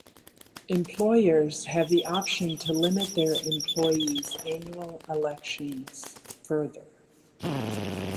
Employers have the option to limit their employees' annual elections further.